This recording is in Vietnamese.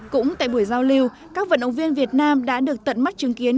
cũng tại buổi giao lưu các vận động viên việt nam đã được tận mắt chứng kiến